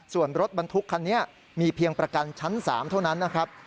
ส่วนรถบรรทุกคันนี้มีเพียงประกันชั้น๓เท่านั้นนะครับ